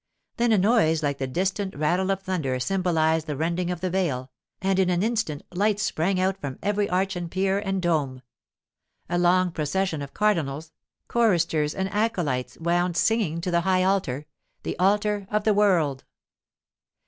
Then a noise like the distant rattle of thunder symbolized the rending of the veil, and in an instant lights sprang out from every arch and pier and dome. A long procession of cardinals, choristers, and acolytes wound singing to the high altar—the 'Altar of the World.